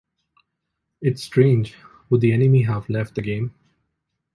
It's strange, would the enemy have left the game?